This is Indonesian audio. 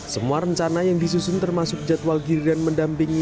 semua rencana yang disusun termasuk jadwal giliran mendampingi